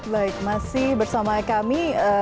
baik masih bersama kami